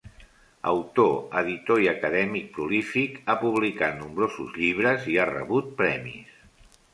Autor, editor i acadèmic prolífic, ha publicat nombrosos llibres i ha rebut premis.